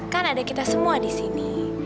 kan ada kita semua di sini